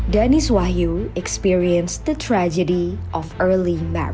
denise wahyu mengalami tragedi perkahwinan awal